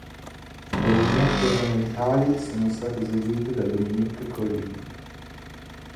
Le vignette ornamentali sono state eseguite da Dominique Collin.